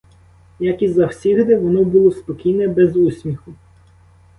Як і завсігди, воно було спокійне, без усміху.